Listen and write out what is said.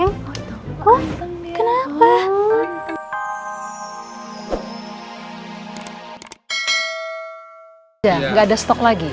gak ada stok lagi